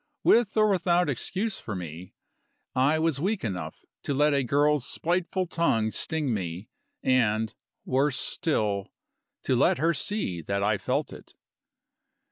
With or without excuse for me, I was weak enough to let a girl's spiteful tongue sting me, and, worse still, to let her see that I felt it.